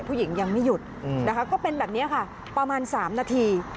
ผู้หญิงยังไม่หยุดนะคะก็เป็นแบบนี้ค่ะประมาณ๓นาที